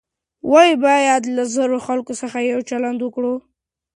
ولې باید له زړو خلکو سره ښه چلند وکړو؟